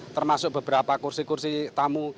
termasuk beberapa kursi kursi tamu